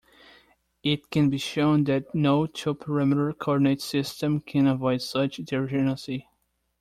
It can be shown that no two-parameter coordinate system can avoid such degeneracy.